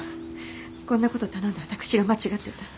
こんな事頼んだ私が間違ってた。